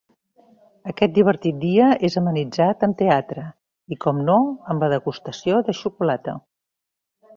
Aquest divertit dia és amenitzat amb teatre, i com no, amb la degustació de xocolata.